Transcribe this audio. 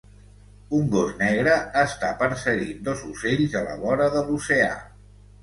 Un gos negre està perseguint dos ocells a la vora de l'oceà